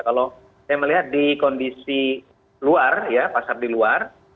kalau saya melihat di kondisi luar ya pasar di luar